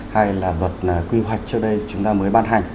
hay là luật quy hoạch trước đây chúng ta mới ban hành